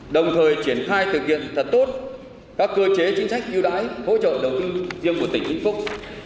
đồng thời triển khai thực hiện thật tốt các cơ chế chính sách ưu đãi hỗ trợ đầu tư riêng của tỉnh vĩnh phúc